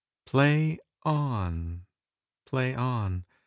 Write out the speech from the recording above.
]PLAY on! Play on!